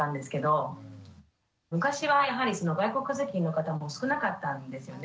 昔はやはり外国籍の方も少なかったんですよね。